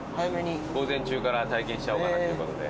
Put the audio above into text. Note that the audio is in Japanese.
午前中から体験しちゃおうかなっていうことで。